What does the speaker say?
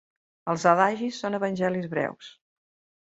Els adagis són evangelis breus.